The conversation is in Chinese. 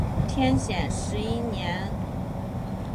天显十一年鹘离底以南府宰相从太宗南下帮助石敬瑭攻后唐。